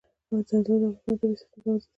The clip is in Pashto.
زردالو د افغانستان د طبعي سیسټم توازن ساتي.